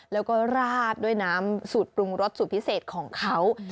แล้วก็ราดด้วยน้ำสูตรปรุงรสสูตรพิเศษของเขา